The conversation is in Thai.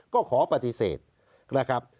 ก็ขอปฏิเสธนะครับ